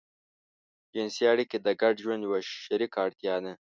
جنسي اړيکې د ګډ ژوند يوه شريکه اړتيا ده.